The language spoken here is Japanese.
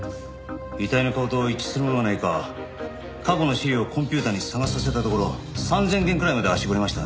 遺体の顔と一致するものがないか過去の資料をコンピューターに捜させたところ３０００件くらいまでは絞れました。